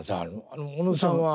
あの小野さんは。